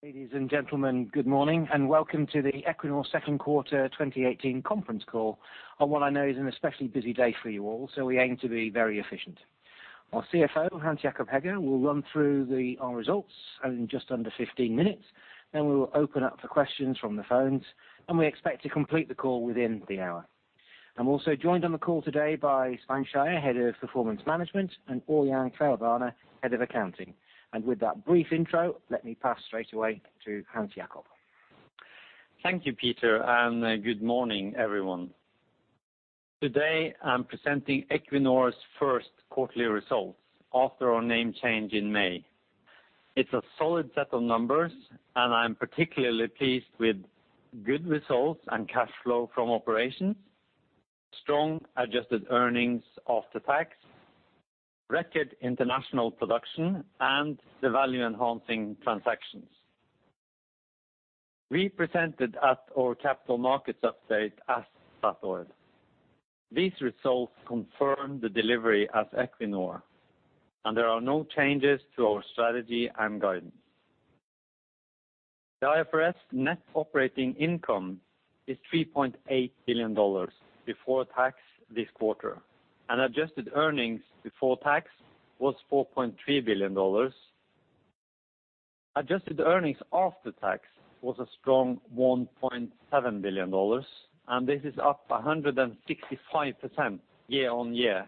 Ladies and gentlemen, good morning, welcome to the Equinor second quarter 2018 conference call on what I know is an especially busy day for you all, we aim to be very efficient. Our CFO, Hans Jakob Hegge, will run through our results in just under 15 minutes. We will open up for questions from the phones, we expect to complete the call within the hour. I am also joined on the call today by Svein Skeie, head of performance management, and Ørjan Kvelvane, head of accounting. With that brief intro, let me pass straight away to Hans Jakob. Thank you, Peter, good morning, everyone. Today, I am presenting Equinor's first quarterly results after our name change in May. It is a solid set of numbers, I am particularly pleased with good results and cash flow from operations, strong adjusted earnings after tax, record international production, and the value-enhancing transactions. We presented at our capital markets update as Statoil. These results confirm the delivery as Equinor, there are no changes to our strategy and guidance. The IFRS net operating income is NOK 3.8 billion before tax this quarter, adjusted earnings before tax was NOK 4.3 billion. Adjusted earnings after tax was a strong NOK 1.7 billion, this is up 165% year-over-year,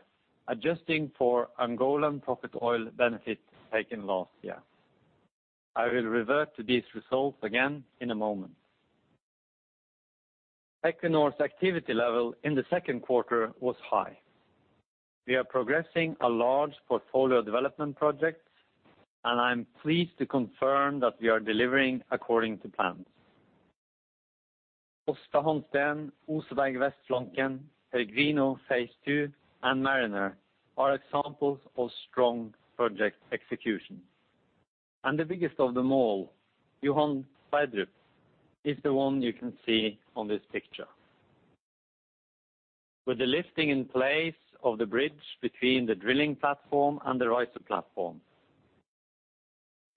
adjusting for Angolan profit oil benefit taken last year. I will revert to these results again in a moment. Equinor's activity level in the second quarter was high. We are progressing a large portfolio development project, I am pleased to confirm that we are delivering according to plans. Aasta Hansteen, Oseberg, West Flanken, Peregrino Phase 2, and Mariner are examples of strong project execution. The biggest of them all, Johan Sverdrup, is the one you can see on this picture. With the lifting in place of the bridge between the drilling platform and the riser platform.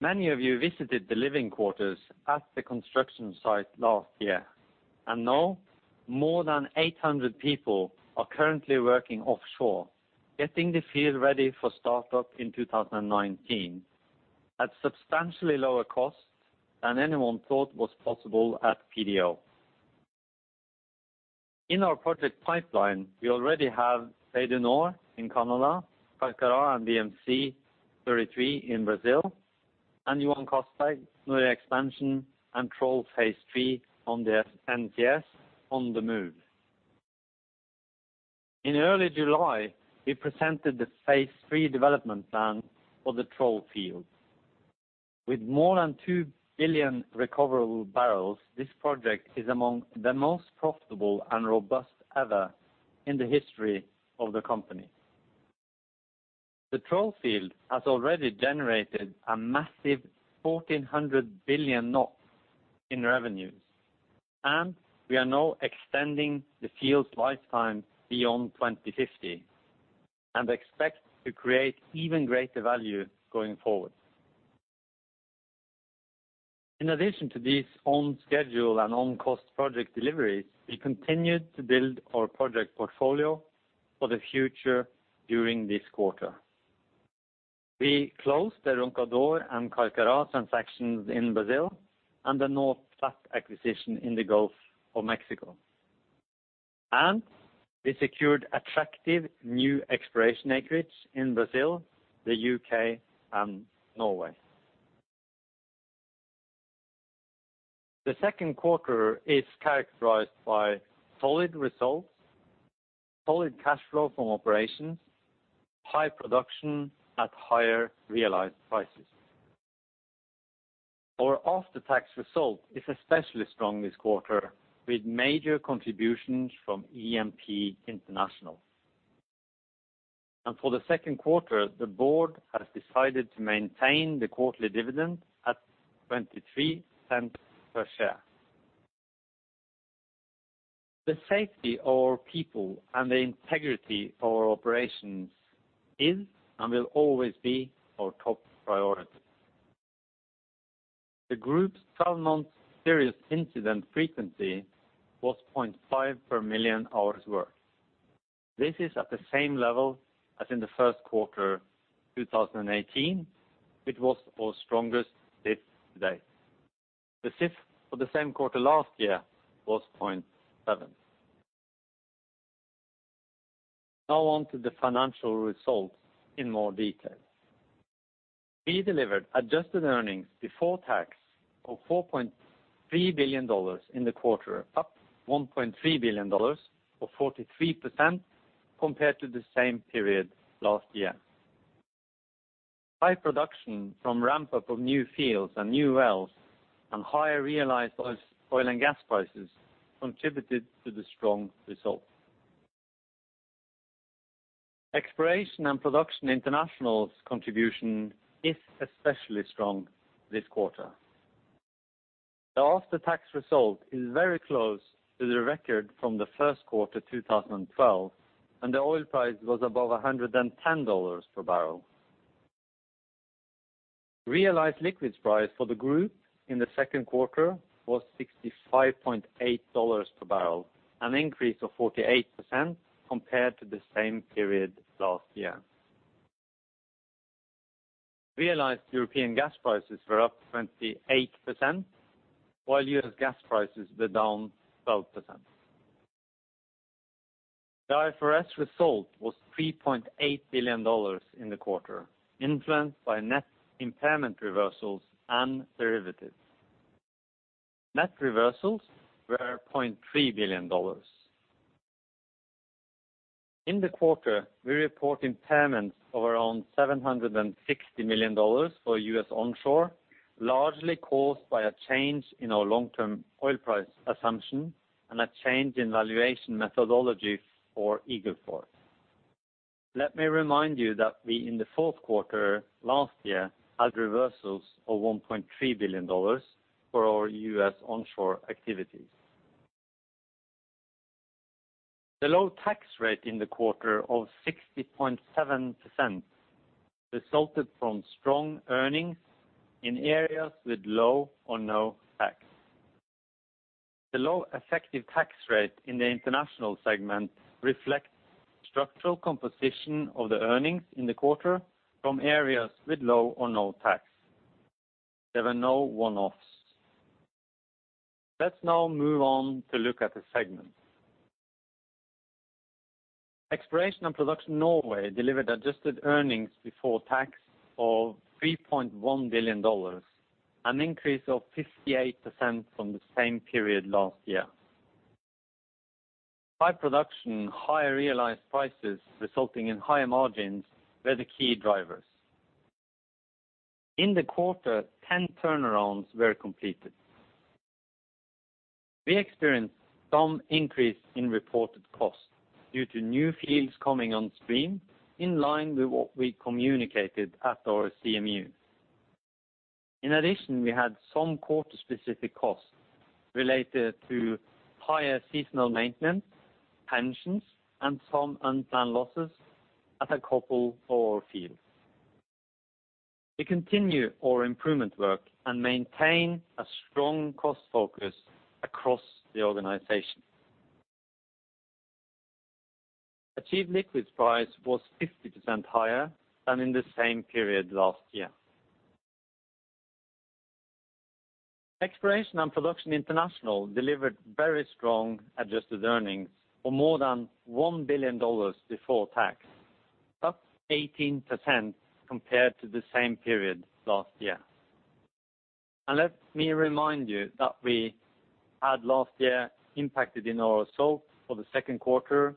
Many of you visited the living quarters at the construction site last year, now more than 800 people are currently working offshore, getting the field ready for startup in 2019 at substantially lower cost than anyone thought was possible at PDO. In our project pipeline, we already have Bay du Nord in Canada, Carcará and BM-C-33 in Brazil, and Johan Castberg, Snorre Expansion, and Troll Phase 3 on the NCS on the move. In early July, we presented the phase 3 development plan for the Troll field. With more than 2 billion recoverable barrels, this project is among the most profitable and robust ever in the history of the company. The Troll field has already generated a massive 1,400 billion in revenues, we are now extending the field's lifetime beyond 2050 and expect to create even greater value going forward. In addition to these on-schedule and on-cost project deliveries, we continued to build our project portfolio for the future during this quarter. We closed the Roncador and Carcará transactions in Brazil and the North Platte acquisition in the Gulf of Mexico. We secured attractive new exploration acreage in Brazil, the U.K., and Norway. The second quarter is characterized by solid results, solid cash flow from operations, high production at higher realized prices. Our after-tax result is especially strong this quarter, with major contributions from E&P International. For the second quarter, the board has decided to maintain the quarterly dividend at $0.23 per share. The safety of our people and the integrity of our operations is and will always be our top priority. The group's 12-month serious incident frequency was 0.5 per million hours worked. This is at the same level as in the first quarter 2018. It was our strongest SIF to date. The SIF for the same quarter last year was 0.7. Now on to the financial results in more detail. We delivered adjusted earnings before tax of $4.3 billion in the quarter, up $1.3 billion, or 43%, compared to the same period last year. High production from ramp-up of new fields and new wells and higher realized oil and gas prices contributed to the strong results. Exploration & Production International's contribution is especially strong this quarter. The after-tax result is very close to the record from the first quarter 2012, when the oil price was above $110 per barrel. Realized liquids price for the group in the second quarter was $65.8 per barrel, an increase of 48% compared to the same period last year. Realized European gas prices were up 28%, while U.S. gas prices were down 12%. The IFRS result was $3.8 billion in the quarter, influenced by net impairment reversals and derivatives. Net reversals were $0.3 billion. In the quarter, we report impairments of around $760 million for U.S. onshore, largely caused by a change in our long-term oil price assumption and a change in valuation methodology for Eagle Ford. Let me remind you that we, in the fourth quarter last year, had reversals of $1.3 billion for our U.S. onshore activities. The low tax rate in the quarter of 60.7% resulted from strong earnings in areas with low or no tax. The low effective tax rate in the international segment reflects structural composition of the earnings in the quarter from areas with low or no tax. There were no one-offs. Let's now move on to look at the segments. Exploration & Production Norway delivered adjusted earnings before tax of $3.1 billion, an increase of 58% from the same period last year. High production, higher realized prices resulting in higher margins were the key drivers. In the quarter, 10 turnarounds were completed. We experienced some increase in reported costs due to new fields coming on stream, in line with what we communicated at our CMU. We had some quarter-specific costs related to higher seasonal maintenance, pensions, and some unplanned losses at a couple of our fields. We continue our improvement work and maintain a strong cost focus across the organization. Achieved liquids price was 50% higher than in the same period last year. Exploration & Production International delivered very strong adjusted earnings of more than $1 billion before tax, up 18% compared to the same period last year. Let me remind you that we had last year impacted in our result for the second quarter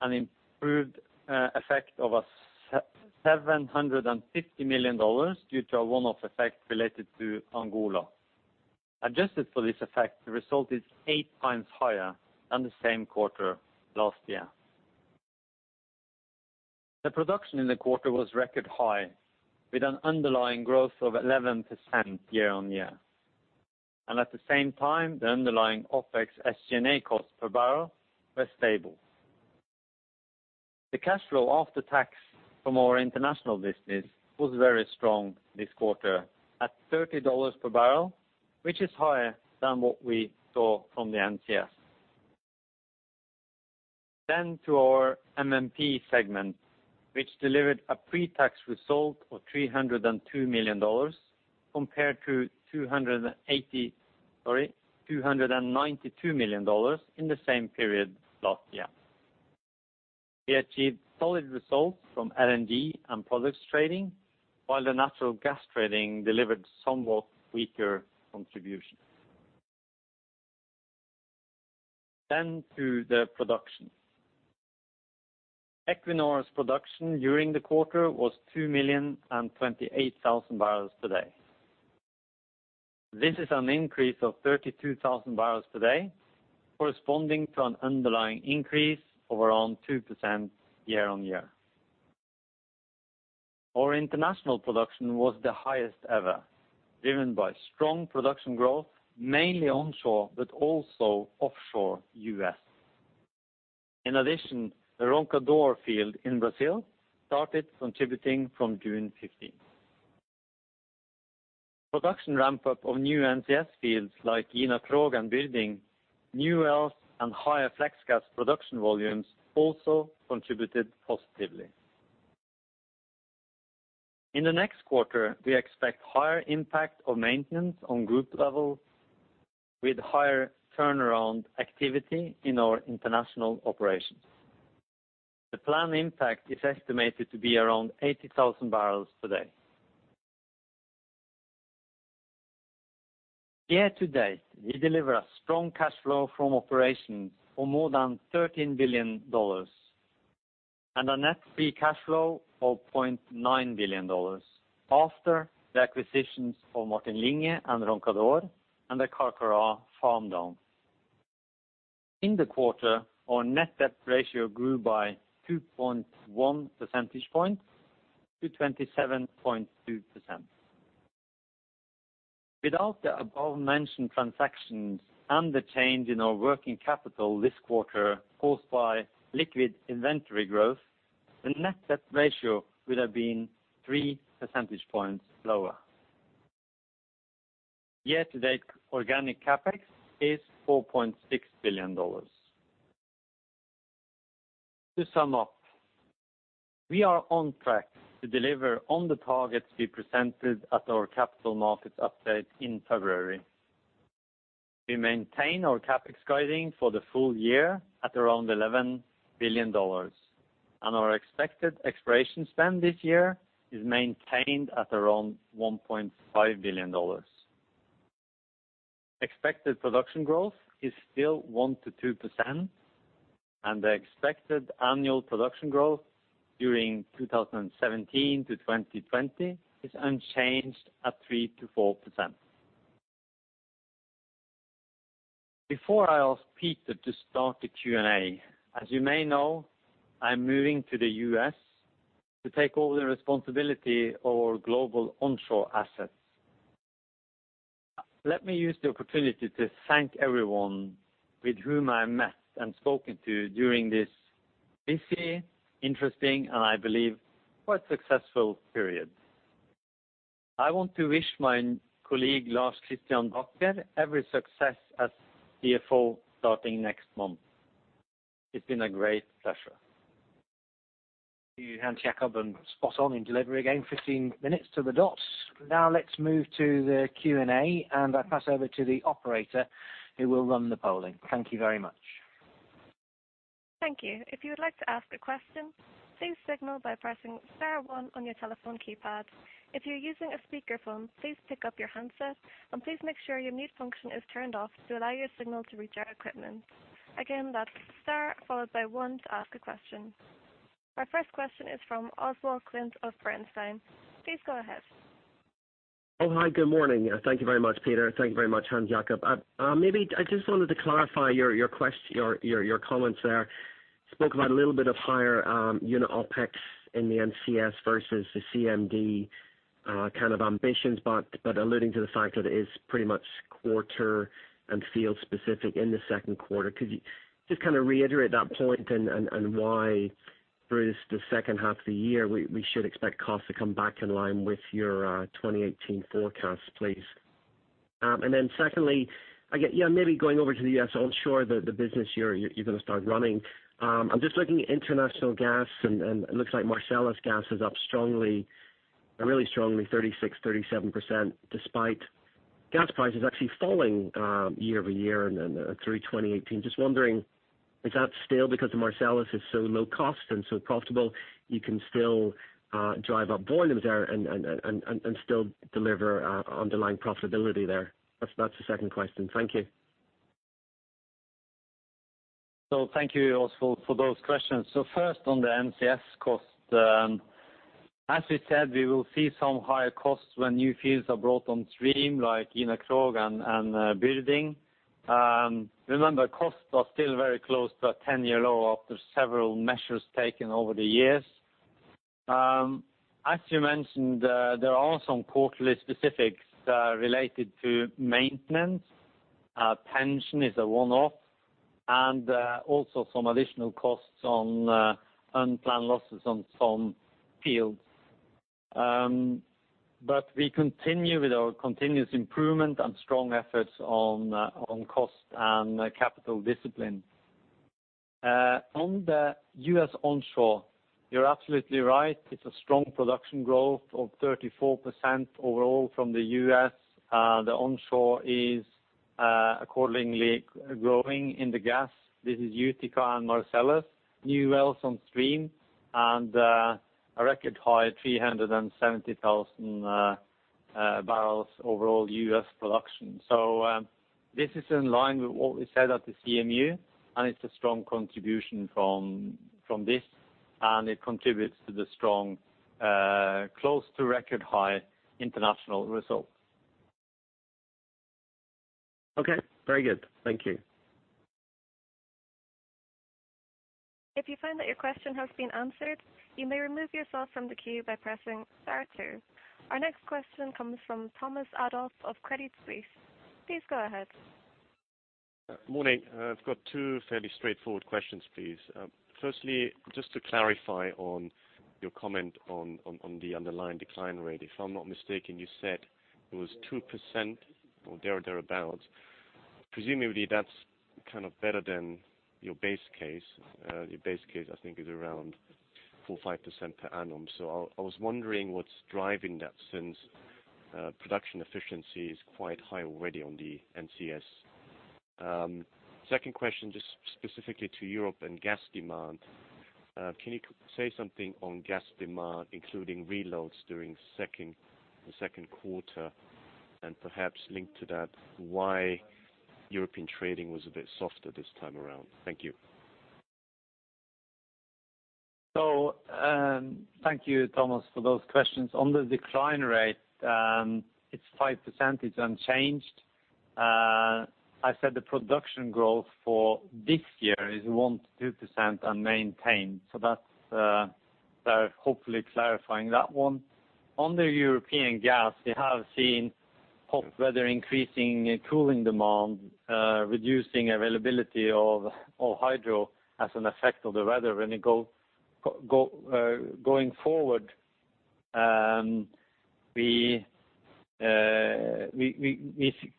an improved effect of $750 million due to a one-off effect related to Angola. Adjusted for this effect, the result is eight times higher than the same quarter last year. The production in the quarter was record high with an underlying growth of 11% year on year. At the same time, the underlying OpEx SG&A costs per barrel were stable. The cash flow after tax from our international business was very strong this quarter at NOK 30 per barrel, which is higher than what we saw from the NCS. To our MMP segment, which delivered a pre-tax result of NOK 302 million compared to NOK 292 million in the same period last year. We achieved solid results from LNG and products trading, while the natural gas trading delivered somewhat weaker contributions. To the production. Equinor's production during the quarter was 2,028,000 barrels per day. This is an increase of 32,000 barrels per day, corresponding to an underlying increase of around 2% year-on-year. Our international production was the highest ever, driven by strong production growth, mainly onshore, but also offshore U.S. In addition, the Roncador field in Brazil started contributing from June 15th. Production ramp-up of new NCS fields like Gina Krog and Byrding, new wells, and higher flex gas production volumes also contributed positively. In the next quarter, we expect higher impact of maintenance on group level with higher turnaround activity in our international operations. The planned impact is estimated to be around 80,000 barrels per day. Year-to-date, we deliver a strong cash flow from operations of more than NOK 13 billion and a net free cash flow of NOK 0.9 billion after the acquisitions of Martin Linge and Roncador and the Carcará farm-down. In the quarter, our net debt ratio grew by 2.1 percentage points to 27.2%. Without the above-mentioned transactions and the change in our working capital this quarter caused by liquid inventory growth, the net debt ratio would have been three percentage points lower. Year-to-date organic CapEx is NOK 4.6 billion. To sum up, we are on track to deliver on the targets we presented at our capital markets update in February. We maintain our CapEx guiding for the full year at around NOK 11 billion. Our expected exploration spend this year is maintained at around NOK 1.5 billion. Expected production growth is still 1%-2%, and the expected annual production growth during 2017 to 2020 is unchanged at 3%-4%. Before I ask Peter to start the Q&A, as you may know, I'm moving to the U.S. to take over the responsibility of our global onshore assets. Let me use the opportunity to thank everyone with whom I met and spoken to during this busy, interesting, and I believe quite successful period. I want to wish my colleague, Lars Christian Bacher, every success as CFO starting next month. It's been a great pleasure. Thank you, Hans Jakob, spot on in delivery again, 15 minutes to the dot. Let's move to the Q&A. I'll pass over to the operator, who will run the polling. Thank you very much. Thank you. If you would like to ask a question, please signal by pressing star one on your telephone keypad. If you're using a speakerphone, please pick up your handset, and please make sure your mute function is turned off to allow your signal to reach our equipment. Again, that's star followed by one to ask a question. Our first question is from Oswald Clint of Bernstein. Please go ahead. Hi. Good morning. Thank you very much, Peter. Thank you very much, Hans Jakob. I just wanted to clarify your comments there. Spoke about a little bit of higher unit OpEx in the NCS versus the CMD kind of ambitions, but alluding to the fact that it is pretty much quarter and field-specific in the second quarter. Could you just reiterate that point and why through the second half of the year, we should expect costs to come back in line with your 2018 forecast, please? Secondly, maybe going over to the U.S. onshore, the business you're going to start running. I'm just looking at international gas, and it looks like Marcellus gas is up really strongly, 36%, 37%, despite gas prices actually falling year-over-year through 2018. Just wondering, is that still because the Marcellus is so low cost and so profitable, you can still drive up volumes there and still deliver underlying profitability there? That's the second question. Thank you. Thank you, Oswald, for those questions. First on the NCS cost, as we said, we will see some higher costs when new fields are brought on stream, like Gina Krog and Viding. Remember, costs are still very close to a 10-year low after several measures taken over the years. As you mentioned, there are some quarterly specifics related to maintenance. Pension is a one-off, and also some additional costs on unplanned losses on some fields. We continue with our continuous improvement and strong efforts on cost and capital discipline. On the U.S. onshore, you're absolutely right. It's a strong production growth of 34% overall from the U.S. The onshore is accordingly growing in the gas. This is Utica and Marcellus, new wells on stream, and a record high 370,000 barrels overall U.S. production. This is in line with what we said at the CMU, and it's a strong contribution from this, and it contributes to the strong close-to-record-high international results. Okay, very good. Thank you. If you find that your question has been answered, you may remove yourself from the queue by pressing star 2. Our next question comes from Thomas Adolff of Credit Suisse. Please go ahead. Morning. I've got two fairly straightforward questions, please. Firstly, just to clarify on your comment on the underlying decline rate. If I'm not mistaken, you said it was 2% or thereabouts. Presumably, that's better than your base case. Your base case, I think, is around 4% or 5% per annum. I was wondering what's driving that since production efficiency is quite high already on the NCS. Second question, just specifically to Europe and gas demand. Can you say something on gas demand, including reloads during the second quarter, and perhaps linked to that, why European trading was a bit softer this time around? Thank you. Thank you, Thomas, for those questions. On the decline rate, it's 5%. It's unchanged. I said the production growth for this year is 1%-2% and maintained. That's hopefully clarifying that one. On the European gas, we have seen hot weather increasing cooling demand reducing availability of all hydro as an effect of the weather. Going forward, we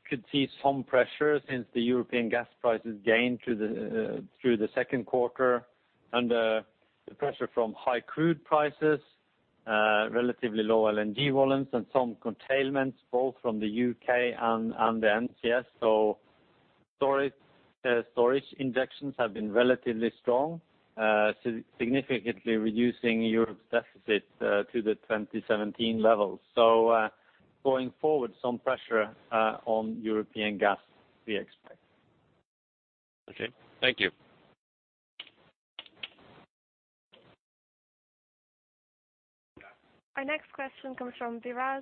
could see some pressure since the European gas prices gained through the second quarter. The pressure from high crude prices, relatively low LNG volumes and some containments both from the U.K. and the NCS. Storage injections have been relatively strong, significantly reducing Europe's deficit to the 2017 levels. Going forward, some pressure on European gas, we expect. Okay. Thank you. Our next question comes from Biraj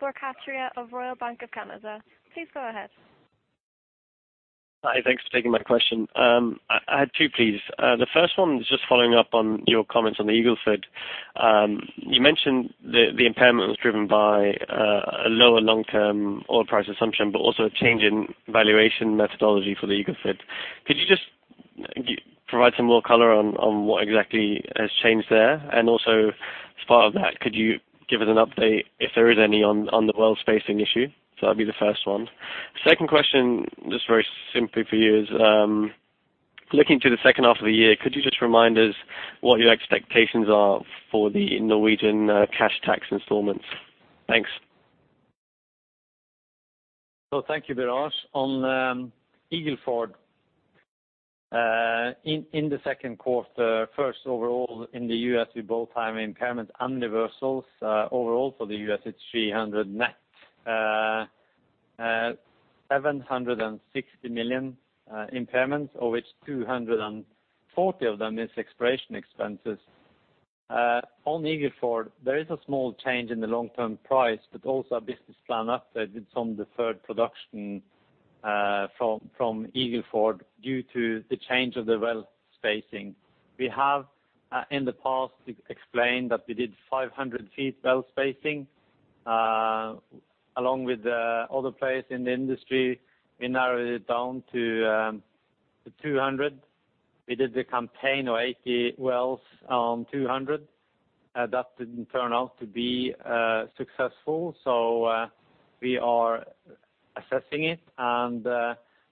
Borkhataria of Royal Bank of Canada. Please go ahead. Hi. Thanks for taking my question. I had two, please. The first one was just following up on your comments on the Eagle Ford. You mentioned the impairment was driven by a lower long-term oil price assumption, but also a change in valuation methodology for the Eagle Ford. Could you just provide some more color on what exactly has changed there? Also, as part of that, could you give us an update, if there is any, on the well spacing issue? That'd be the first one. Second question, just very simply for you, is looking to the second half of the year, could you just remind us what your expectations are for the Norwegian cash tax installments? Thanks. Thank you, Biraj. On Eagle Ford, in the second quarter, first overall in the U.S., we full-time impairment reversals. Overall for the U.S., it is 300 net. 760 million impairments, of which 240 of them is exploration expenses. On Eagle Ford, there is a small change in the long-term price, also a business plan update with some deferred production from Eagle Ford due to the change of the well spacing. We have in the past explained that we did 500-foot well spacing. Along with other players in the industry, we narrowed it down to 200. We did the campaign of 80 wells on 200. That didn't turn out to be successful. We are assessing it.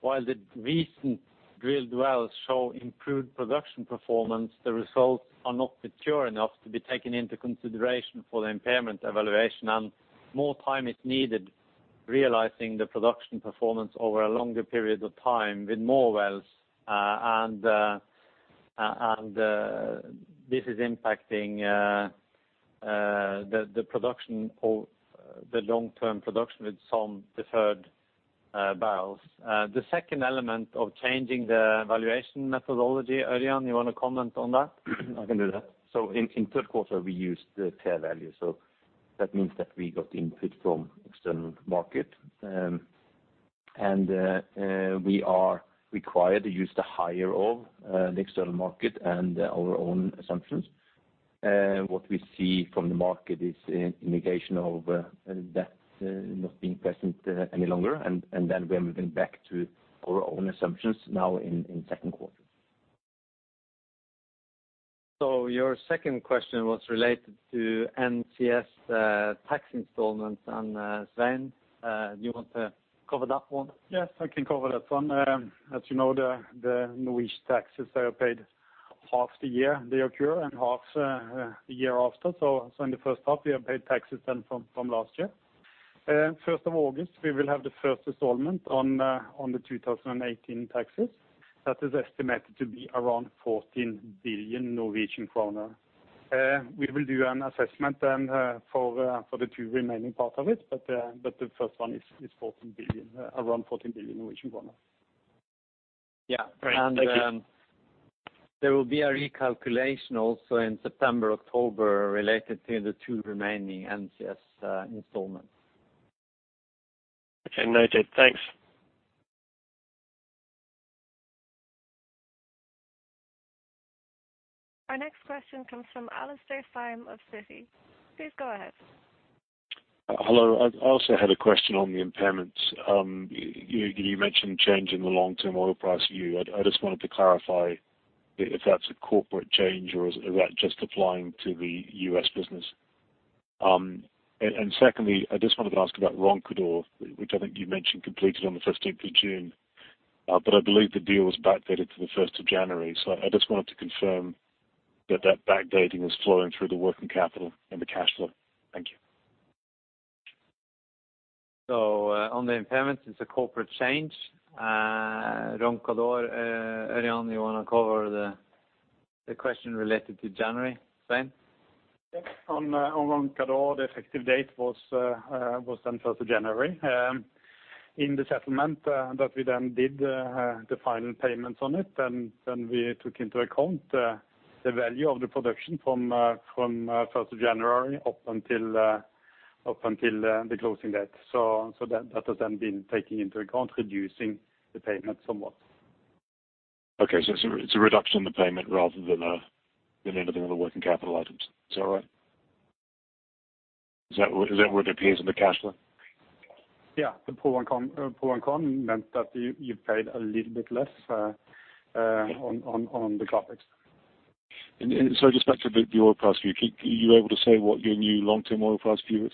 While the recent drilled wells show improved production performance, the results are not mature enough to be taken into consideration for the impairment evaluation. More time is needed realizing the production performance over a longer period of time with more wells. This is impacting the long-term production with some deferred barrels. The second element of changing the valuation methodology, Ørjan, you want to comment on that? I can do that. In third quarter, we used the fair value. That means that we got input from external market. We are required to use the higher of the external market and our own assumptions. What we see from the market is an indication of that not being present any longer. We are moving back to our own assumptions now in second quarter. Your second question was related to NCS tax installments. Svein, do you want to cover that one? Yes, I can cover that one. As you know, the Norwegian taxes are paid half the year they occur and half the year after. In the first half, we have paid taxes then from last year. First of August, we will have the first installment on the 2018 taxes. That is estimated to be around 14 billion Norwegian kroner. We will do an assessment then for the two remaining parts of it, the first one is around 14 billion Norwegian kroner. Yeah. Great. Thank you. There will be a recalculation also in September, October related to the two remaining NCS installments. Okay. Noted. Thanks. Our next question comes from Alastair Syme of Citi. Please go ahead. Hello. I also had a question on the impairments. You mentioned change in the long-term oil price view. I just wanted to clarify if that's a corporate change or is that just applying to the U.S. business? Secondly, I just wanted to ask about Roncador, which I think you mentioned completed on the 15th of June. I believe the deal was backdated to the 1st of January. I just wanted to confirm that that backdating was flowing through the working capital and the cash flow. Thank you. On the impairments, it's a corporate change. Roncador, Ørjan, you want to cover the question related to January? Svein? On Roncador, the effective date was then 1st of January. In the settlement that we then did the final payments on it, we took into account the value of the production from 1st of January up until the closing date. That has then been taken into account, reducing the payment somewhat. It's a reduction in the payment rather than any of the other working capital items. Is that right? Is that what appears in the cash flow? Yeah. The pull-on comm meant that you paid a little bit less on the CapEx. Just back to the oil price view, are you able to say what your new long-term oil price view is?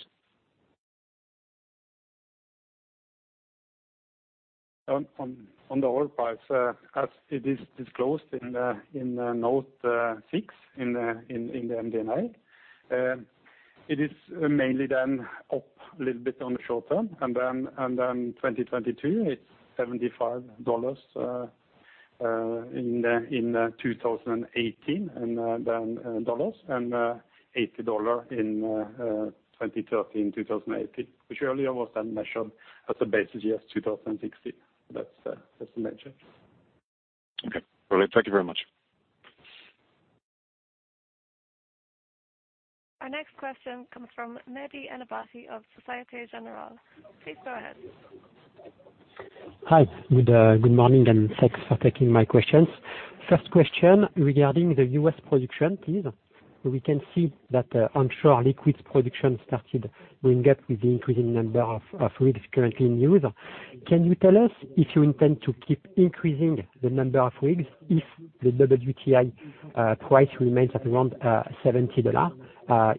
On the oil price, as it is disclosed in note six in the MD&A, it is mainly up a little bit on the short term, 2022, it's $75 in 2018, and $80 in 2013, 2018, which earlier was measured as a base year 2016. That's the measure. Okay. Brilliant. Thank you very much. Our next question comes from Mehdi Benbachir of Societe Generale. Please go ahead. Hi. Good morning, and thanks for taking my questions. First question regarding the U.S. production, please. We can see that onshore liquids production started going up with the increasing number of rigs currently in use. Can you tell us if you intend to keep increasing the number of rigs if the WTI price remains at around $70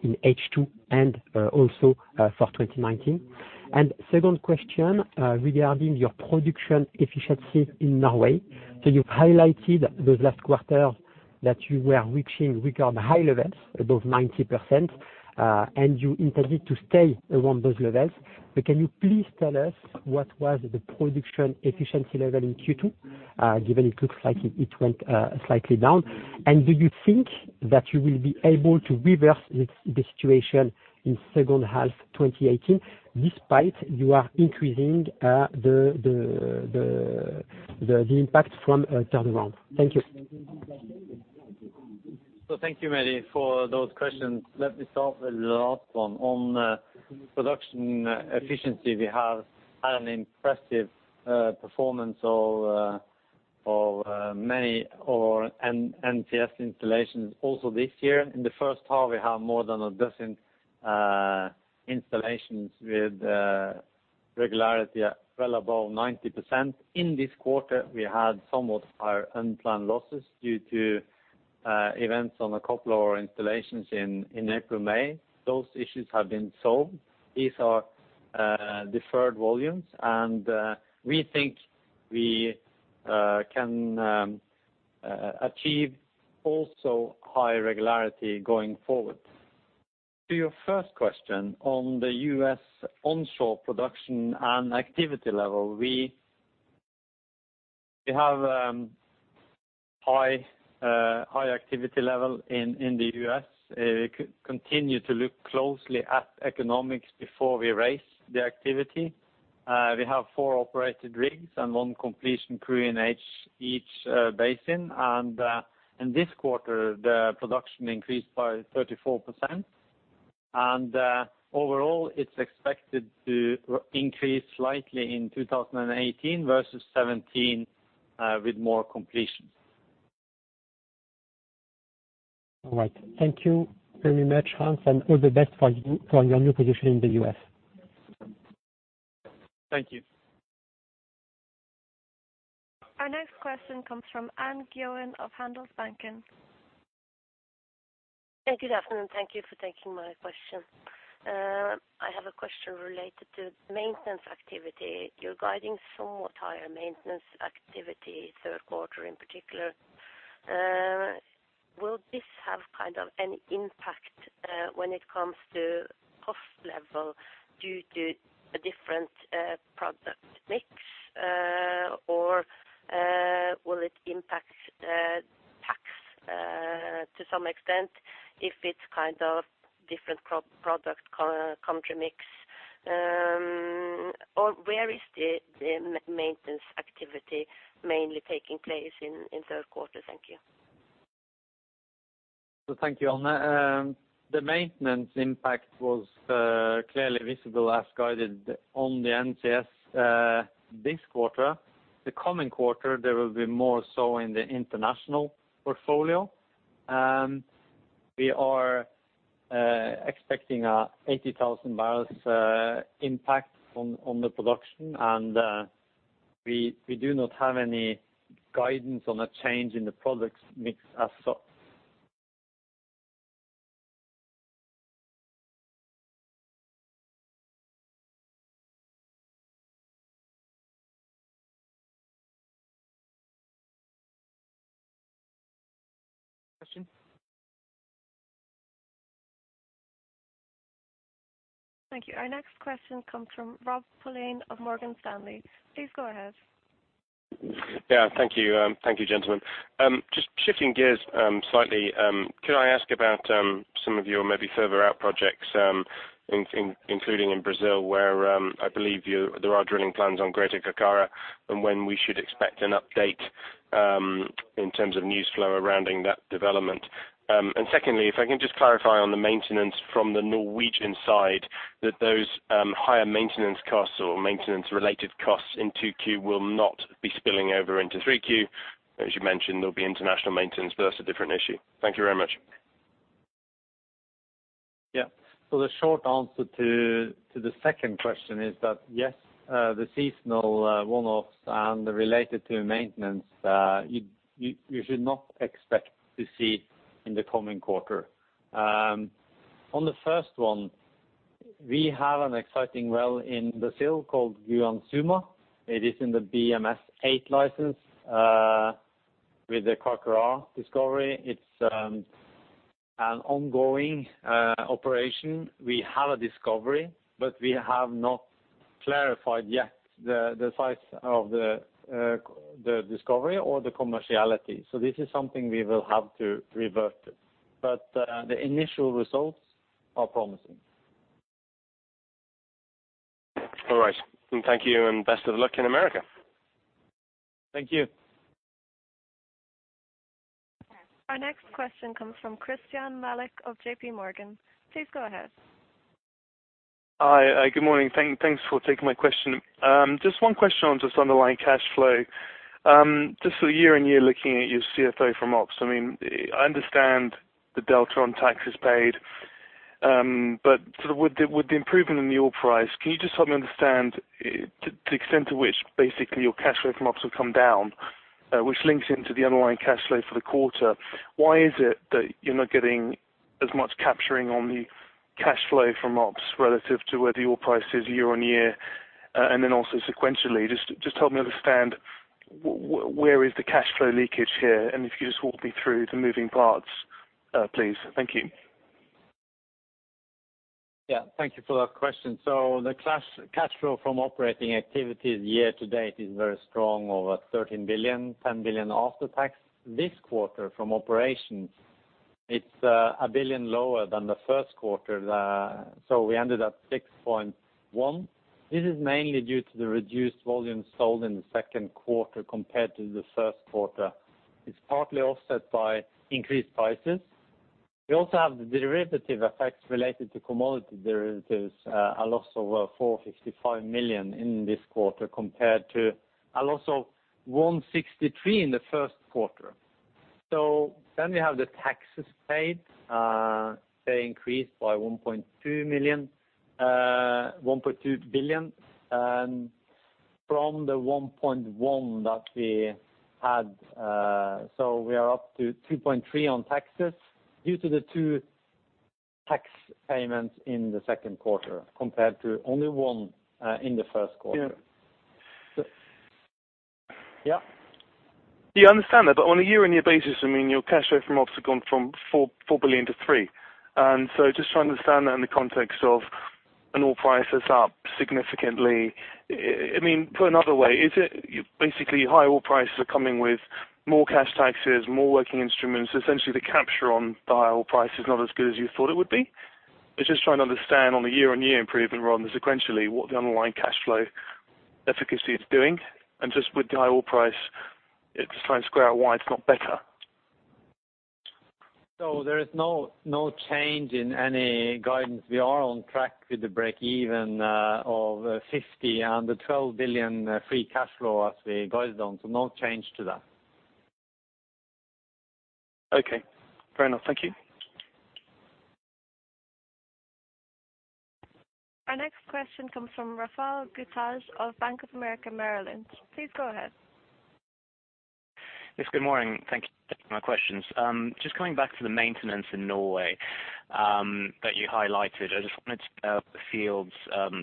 in H2 and also for 2019? Second question regarding your production efficiency in Norway. You highlighted those last quarters that you were reaching record-high levels, above 90%, and you intended to stay around those levels. But can you please tell us what was the production efficiency level in Q2, given it looks like it went slightly down? Do you think that you will be able to reverse the situation in the second half of 2018 despite you are increasing the impact from turnaround? Thank you. Thank you, Mehdi, for those questions. Let me start with the last one. On production efficiency, we have had an impressive performance of many of our NCS installations also this year. In the first half, we have more than a dozen installations with regularity well above 90%. In this quarter, we had somewhat higher unplanned losses due to events on a couple of our installations in April, May. Those issues have been solved. These are deferred volumes, and we think we can achieve also high regularity going forward. To your first question on the U.S. onshore production and activity level, we have a high activity level in the U.S. We continue to look closely at economics before we raise the activity. We have four operated rigs and one completion crew in each basin. In this quarter, the production increased by 34%. Overall, it's expected to increase slightly in 2018 versus 2017 with more completions. All right. Thank you very much, Hans, and all the best for your new position in the U.S. Thank you. Our next question comes from Anne Gjøen of Handelsbanken. Good afternoon. Thank you for taking my question. I have a question related to maintenance activity. You're guiding somewhat higher maintenance activity, third quarter in particular. Will this have any impact when it comes to cost level due to a different product mix? Will it impact tax to some extent if it's a different product country mix? Where is the maintenance activity mainly taking place in the third quarter? Thank you. Thank you, Anne. The maintenance impact was clearly visible as guided on the NCS this quarter. The coming quarter, there will be more so in the international portfolio. We are expecting an 80,000 barrels impact on the production. We do not have any guidance on a change in the products mix as so. Question? Thank you. Our next question comes from Rob Pullin of Morgan Stanley. Please go ahead. Thank you. Thank you, gentlemen. Just shifting gears slightly, could I ask about some of your maybe further out projects, including in Brazil, where I believe there are drilling plans on Greater Carcará, and when we should expect an update in terms of news flow around that development. Secondly, if I can just clarify on the maintenance from the Norwegian side that those higher maintenance costs or maintenance-related costs in 2Q will not be spilling over into 3Q. As you mentioned, there'll be international maintenance, but that's a different issue. Thank you very much. Yeah. The short answer to the second question is that, yes, the seasonal one-offs and related to maintenance, you should not expect to see in the coming quarter. On the first one, we have an exciting well in Brazil called Guanxuma. It is in the BM-S-8 license, with the Carcará discovery. It's an ongoing operation. We have a discovery, but we have not clarified yet the size of the discovery or the commerciality. This is something we will have to revert to. The initial results are promising. All right. Thank you and best of luck in America. Thank you. Our next question comes from Christyan Malek of JPMorgan. Please go ahead. Hi. Good morning. Thanks for taking my question. One question on just underlying cash flow. Year-on-year looking at your CFO from ops, I understand the delta on taxes paid, with the improvement in the oil price, can you just help me understand the extent to which basically your cash flow from ops will come down, which links into the underlying cash flow for the quarter? Why is it that you're not getting as much capturing on the cash flow from ops relative to where the oil price is year-on-year, also sequentially? Help me understand where is the cash flow leakage here, if you just walk me through the moving parts, please. Thank you. Thank you for that question. The cash flow from operating activities year-to-date is very strong, over 13 billion, 10 billion after tax. This quarter from operations, it's 1 billion lower than the 1st quarter. We ended at 6.1 billion. This is mainly due to the reduced volume sold in the 2nd quarter compared to the 1st quarter. It's partly offset by increased prices. We also have the derivative effects related to commodity derivatives, a loss of 465 million in this quarter, compared to a loss of 163 million in the 1st quarter. We have the taxes paid. They increased by 1.2 billion from the 1.1 billion that we had. We are up to 2.3 billion on taxes due to the two tax payments in the 2nd quarter compared to only one in the 1st quarter. Yeah. Yeah? I understand that, on a year-on-year basis, your cash flow from ops have gone from 4 billion to 3 billion. Trying to understand that in the context of an oil price that's up significantly. Put another way, is it basically higher oil prices are coming with more cash taxes, more working instruments? Essentially, the capture on the higher oil price is not as good as you thought it would be? I was trying to understand on the year-on-year improvement rather than sequentially what the underlying cash flow efficacy is doing, with the higher oil price, trying to square why it's not better. There is no change in any guidance. We are on track with the break-even of 50 and the 12 billion free cash flow as we guided on, no change to that. Okay. Fair enough. Thank you. Our next question comes from Raphael Guettaz of Bank of America Merrill Lynch. Go ahead. Good morning. Thank you for taking my questions. Coming back to the maintenance in Norway that you highlighted, I wanted to know the fields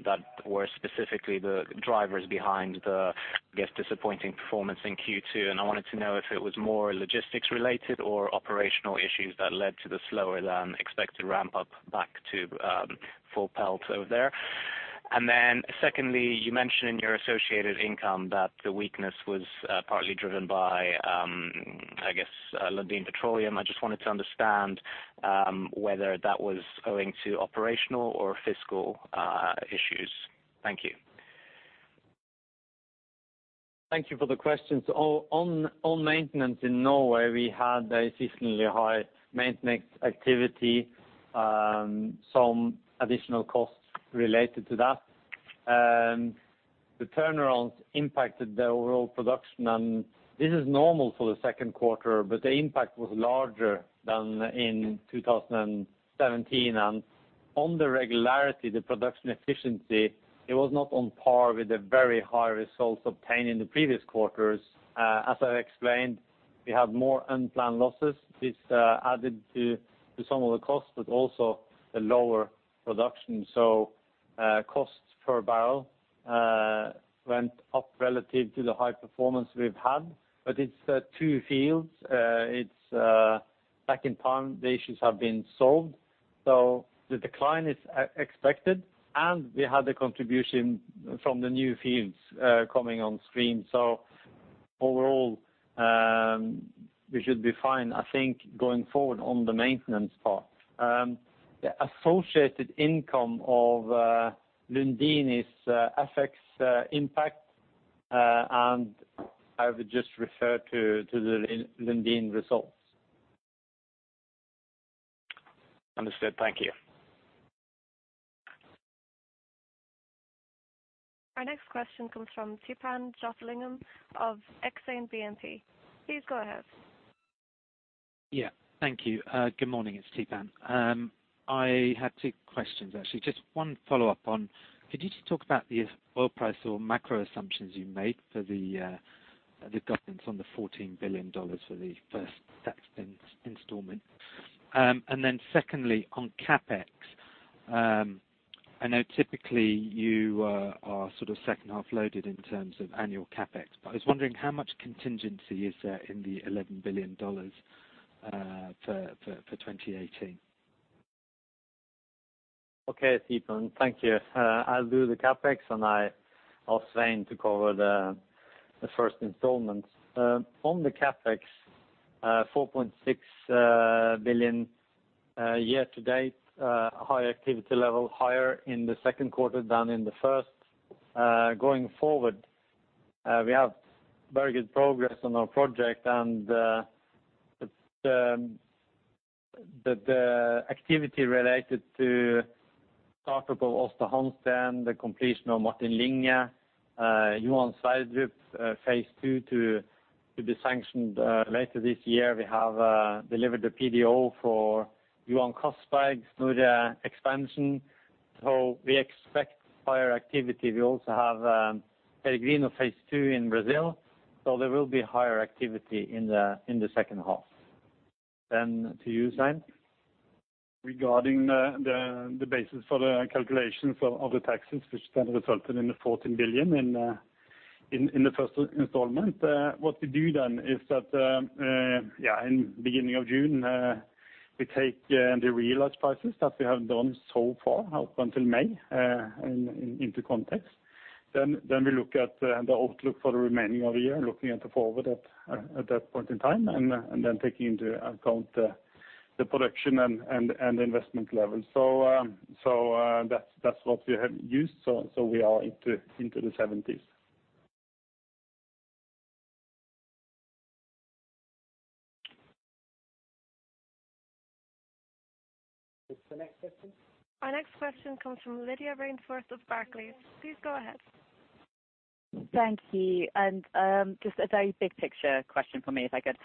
that were specifically the drivers behind the, I guess, disappointing performance in Q2, and I wanted to know if it was more logistics related or operational issues that led to the slower-than-expected ramp-up back to full pelt over there. Secondly, you mentioned in your associated income that the weakness was partly driven by, I guess, Lundin Petroleum. I wanted to understand whether that was owing to operational or fiscal issues. Thank you. Thank you for the question. On maintenance in Norway, we had a seasonally high maintenance activity, some additional costs related to that. The turnarounds impacted the overall production. This is normal for the second quarter, but the impact was larger than in 2017. On the regularity, the production efficiency, it was not on par with the very high results obtained in the previous quarters. As I explained, we had more unplanned losses. This added to some of the costs, but also the lower production. Costs per barrel went up relative to the high performance we've had. It's two fields. It's [Back in time], the issues have been solved. The decline is expected, and we had the contribution from the new fields coming on stream. Overall, we should be fine, I think, going forward on the maintenance part. The associated income of Lundin affects impact. I would just refer to the Lundin results. Understood. Thank you. Our next question comes from Theepan Jothilingam of Exane BNP. Please go ahead. Thank you. Good morning, it's Theepan. I have two questions, actually. Could you just talk about the oil price or macro assumptions you made for the guidance on the NOK 14 billion for the first tax installment? Secondly, on CapEx, I know typically you are sort of second-half loaded in terms of annual CapEx, but I was wondering how much contingency is there in the NOK 11 billion for 2018? Okay, Theepan. Thank you. I'll do the CapEx, and I'll ask Svein to cover the first installment. On the CapEx, 4.6 billion year to date, high activity level, higher in the second quarter than in the first. Going forward, we have very good progress on our project and the activity related to start-up of Aasta Hansteen, the completion of Martin Linge, Johan Sverdrup Phase 2 to be sanctioned later this year. We have delivered the PDO for Johan Castberg, Snorre Expansion. We expect higher activity. We also have Peregrino Phase 2 in Brazil, there will be higher activity in the second half. To you, Svein. Regarding the basis for the calculations of the taxes, which then resulted in the 14 billion in the first installment, what we do then is that, in the beginning of June, we take the realized prices that we have done so far, up until May, into context. We look at the outlook for the remaining of the year, looking at the forward at that point in time, and then taking into account the production and investment levels. That's what we have used. We are into the 70s. Next question. Our next question comes from Lydia Rainforth of Barclays. Please go ahead. Thank you. Just a very big-picture question from me, if I could.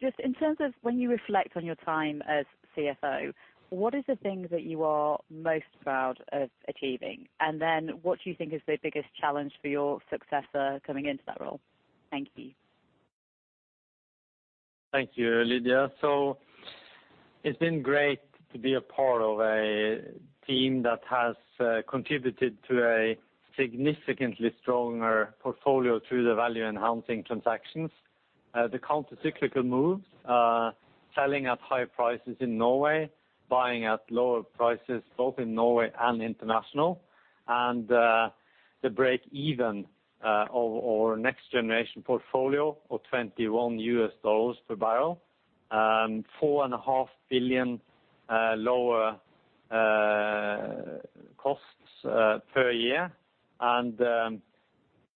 Just in terms of when you reflect on your time as CFO, what is the thing that you are most proud of achieving? Then what do you think is the biggest challenge for your successor coming into that role? Thank you. Thank you, Lydia. It's been great to be a part of a team that has contributed to a significantly stronger portfolio through the value-enhancing transactions. The counter-cyclical moves, selling at high prices in Norway, buying at lower prices both in Norway and international, the break even of our next-generation portfolio of $21 per barrel, $4.5 billion lower costs per year.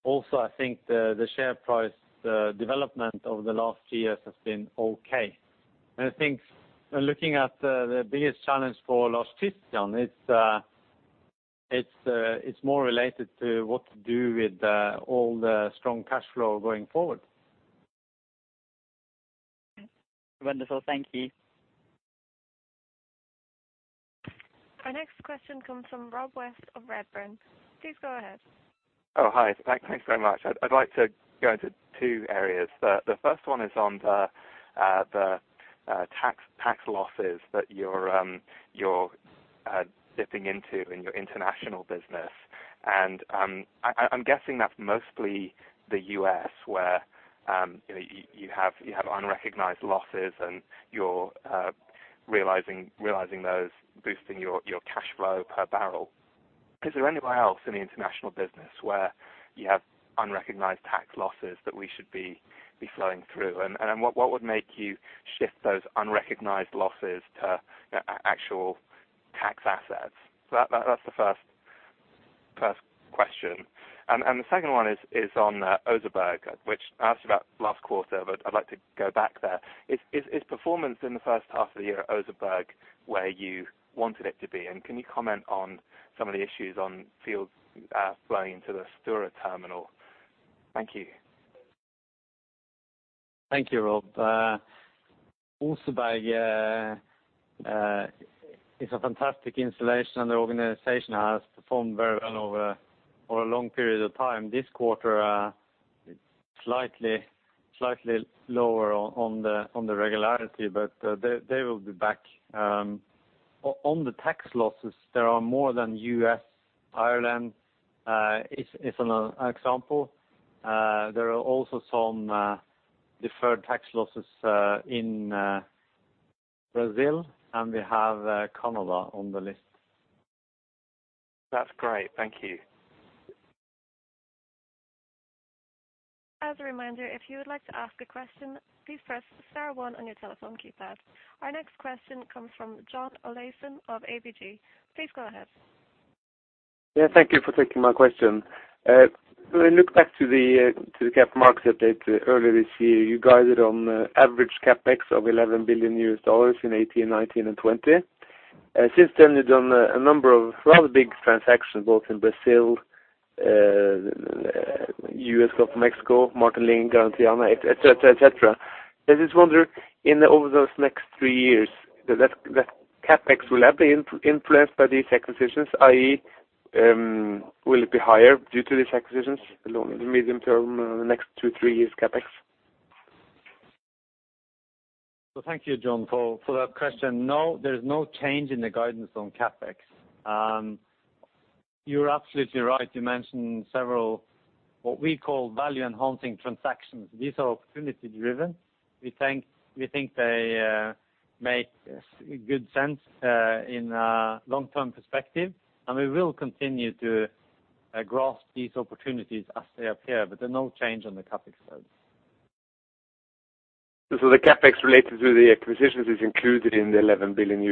Also, I think the share price development over the last few years has been okay. I think looking at the biggest challenge for Lars Christian, it's more related to what to do with all the strong cash flow going forward. Wonderful. Thank you. Our next question comes from Rob West of Redburn. Please go ahead. Hi. Thanks very much. I'd like to go into two areas. The first one is on the tax losses that you're dipping into in your international business. I'm guessing that's mostly the U.S., where you have unrecognized losses and you're realizing those, boosting your cash flow per barrel. Is there anywhere else in the international business where you have unrecognized tax losses that we should be flowing through? What would make you shift those unrecognized losses to actual tax assets? That's the first question. The second one is on Oseberg, which I asked about last quarter, but I'd like to go back there. Is performance in the first half of the year at Oseberg where you wanted it to be? Can you comment on some of the issues on fields flowing into the Sture terminal? Thank you. Thank you, Rob. Oseberg is a fantastic installation, the organization has performed very well over a long period of time. This quarter, it's slightly lower on the regularity, but they will be back. On the tax losses, there are more than U.S., Ireland is an example. There are also some deferred tax losses in Brazil, we have Canada on the list. That's great. Thank you. As a reminder, if you would like to ask a question, please press star one on your telephone keypad. Our next question comes from John Olaisen of ABG. Please go ahead. Thank you for taking my question. When we look back to the cap markets update earlier this year, you guided on average CapEx of $11 billion in 2018, 2019, and 2020. Since then, you've done a number of rather big transactions, both in Brazil, U.S. Gulf of Mexico, Martin Linge, Garantiana, et cetera. I just wonder, over those next three years, that CapEx will have been influenced by these acquisitions, i.e., will it be higher due to these acquisitions in the medium term, the next two, three years' CapEx? Thank you, John, for that question. No, there's no change in the guidance on CapEx. You're absolutely right. You mentioned several, what we call value-enhancing transactions. These are opportunity-driven. We think they make good sense in a long-term perspective, and we will continue to grasp these opportunities as they appear, but there's no change on the CapEx side. The CapEx related to the acquisitions is included in the $11 billion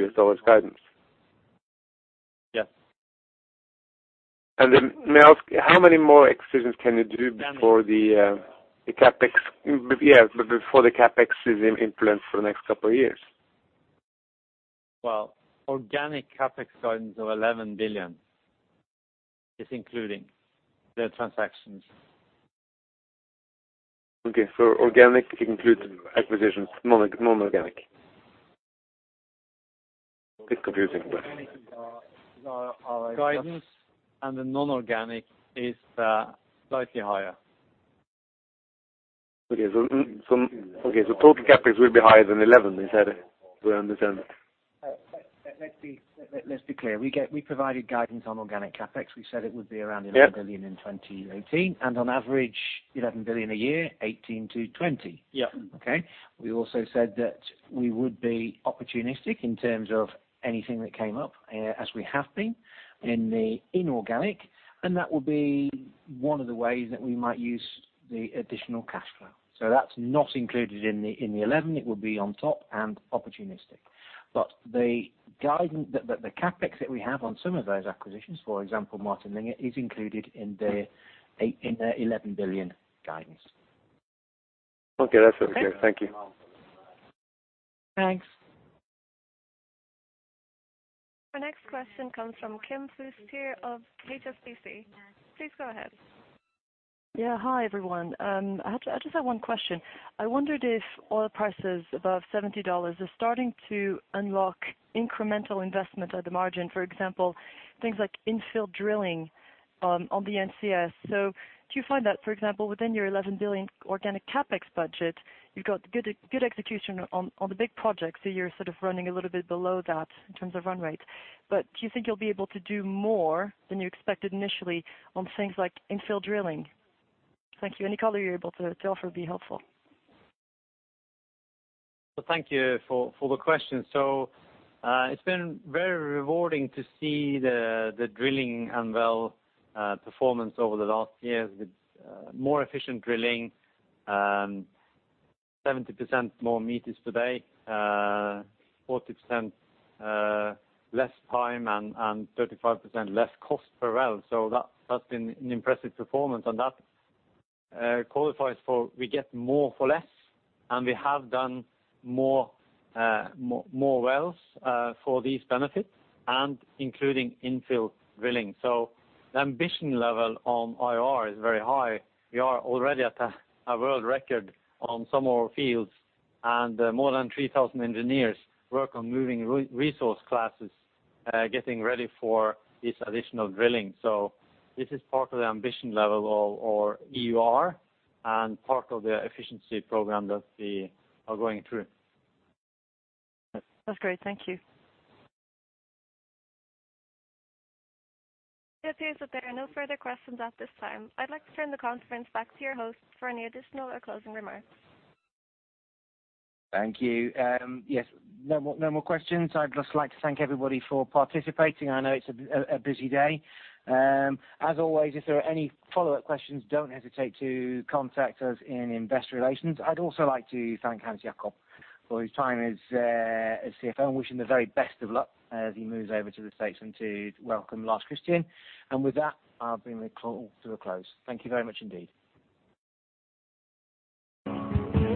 guidance? Yes. May I ask, how many more acquisitions can you do? Organic. -before the CapEx is influenced for the next couple of years? Well, organic CapEx guidance of 11 billion is including the transactions. Okay. Organic includes acquisitions, non-organic. Bit confusing. Guidance and the non-organic is slightly higher. Okay. total CapEx will be higher than 11, is that we understand? Let's be clear. We provided guidance on organic CapEx. We said it would be around $11 billion. Yeah in 2018, on average $11 billion a year 2018 to 2020. Yeah. Okay? We also said that we would be opportunistic in terms of anything that came up, as we have been in the inorganic, and that will be one of the ways that we might use the additional cash flow. That's not included in the 11. It would be on top and opportunistic. The CapEx that we have on some of those acquisitions, for example, Martin Linge, is included in the $11 billion guidance. Okay. That's okay. Thank you. Thanks. Our next question comes from Kim Fustier of HSBC. Please go ahead. Yeah. Hi, everyone. I just have one question. I wondered if oil prices above NOK 70 are starting to unlock incremental investment at the margin, for example, things like infill drilling on the NCS. Do you find that, for example, within your 11 billion organic CapEx budget, you've got good execution on the big projects, so you're sort of running a little bit below that in terms of run rate. Do you think you'll be able to do more than you expected initially on things like infill drilling? Thank you. Any color you're able to offer would be helpful. Thank you for the question. It's been very rewarding to see the drilling and well performance over the last years with more efficient drilling, 70% more meters today, 40% less time, and 35% less cost per well. That's been an impressive performance, and that qualifies for we get more for less, and we have done more wells for these benefits and including infill drilling. The ambition level on IOR is very high. We are already at a world record on some oil fields, and more than 3,000 engineers work on moving resource classes getting ready for this additional drilling. This is part of the ambition level of our EUR and part of the efficiency program that we are going through. That's great. Thank you. It appears that there are no further questions at this time. I'd like to turn the conference back to your host for any additional or closing remarks. Thank you. Yes. No more questions. I'd just like to thank everybody for participating. I know it's a busy day. As always, if there are any follow-up questions, don't hesitate to contact us in Investor Relations. I'd also like to thank Hans Jakob for his time as CFO and wish him the very best of luck as he moves over to the U.S. and to welcome Lars Christian. With that, I'll bring the call to a close. Thank you very much indeed.